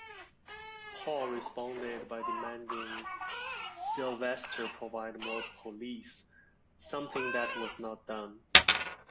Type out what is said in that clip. Paul responded by demanding Sylvester provide more police; something that was not done.